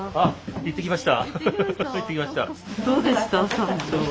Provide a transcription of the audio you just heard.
行ってきました。